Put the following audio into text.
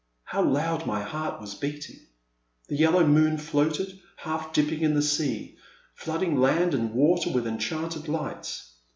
How loud my heart was beating. The yellow moon floated, half dipping in the sea, flooding land and water with enchanted lights.